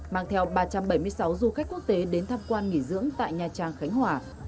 mang theo ba trăm bảy mươi sáu du khách quốc tế đến tham quan nghỉ dưỡng tại nha trang khánh hòa